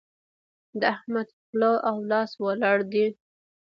د احمد خوله او لاس ولاړ دي.